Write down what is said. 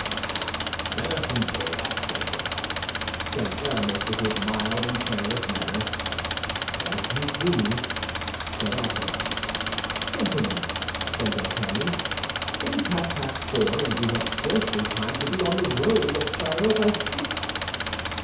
"Bah, let us enjoy that pleasure," said Aramis, with his mild and careless manner. "As you please," said Athos. "Gentlemen," said D'Artagnan, "it is half past four, and we have scarcely time to be on the road of Chaillot by six."